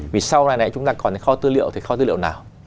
vì sau này này chúng ta còn kho tư liệu thì kho tư liệu nào